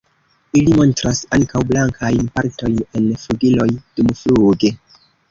Ili montras ankaŭ blankajn partojn en flugiloj dumfluge.